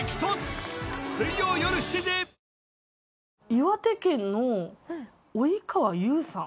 岩手県の及川雄さん？